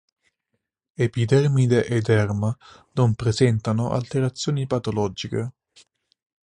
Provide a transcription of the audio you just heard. Epidermide e derma non presentano alterazioni patologiche.